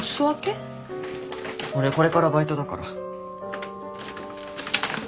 俺これからバイトだから。